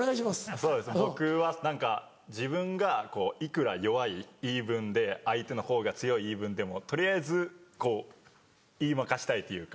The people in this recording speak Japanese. そ自分がいくら弱い言い分で相手のほうが強い言い分でも取りあえず言い負かしたいというか。